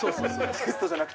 テストじゃなくて。